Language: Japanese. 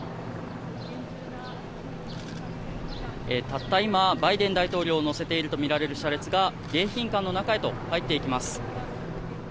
たった今バイデン大統領を乗せているとみられる車列が迎賓館の中へと入っていきます。